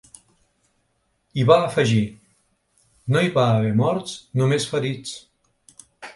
I va afegir: No hi va haver morts, només ferits.